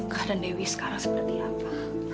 keadaan dewi sekarang seperti apa